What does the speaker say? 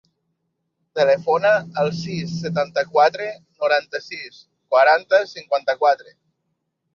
Telefona al sis, setanta-quatre, noranta-sis, quaranta, cinquanta-quatre.